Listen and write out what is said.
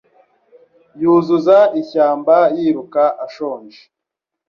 yuzuza ishyamba yiruka ashonje